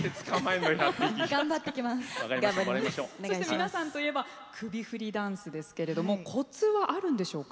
皆さんといえば首振りダンスですけどコツはあるんでしょうか？